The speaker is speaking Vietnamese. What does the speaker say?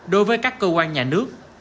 đối với các cơ quan nhà nước